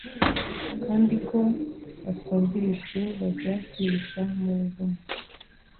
kandi ko basumbirijwe bajya kwihisha mu buvumo